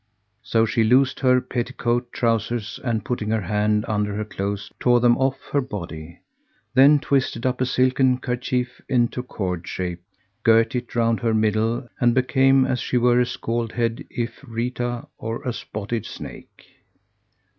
"[FN#165] So she loosed her petticoat trousers and, putting her hand under her clothes, tore them off her body; then twisted up a silken kerchief into cord shape, girt it round her middle and became as she were a scald head Ifritah or a spotted snake.